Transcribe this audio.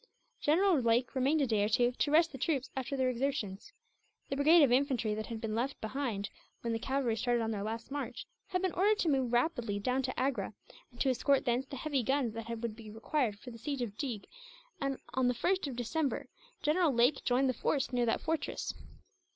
General Lake remained a day or two, to rest the troops after their exertions. The brigade of infantry that, had been left behind when the cavalry started on their last march, had been ordered to move rapidly down to Agra; and to escort thence the heavy guns that would be required for the siege of Deeg and, on the 1st of December, General Lake joined the force near that fortress.